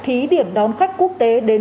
thí điểm đón khách quốc tế